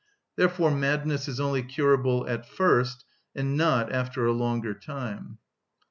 Therefore madness is only curable at first, and not after a longer time.